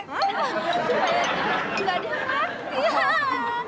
cuma ya juga dia hati